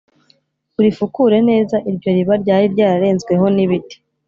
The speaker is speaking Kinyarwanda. urifukure neza." iryo riba ryari ryararenzweho n' ibiti,